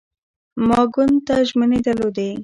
ما ګوند ته ژمنې درلودې.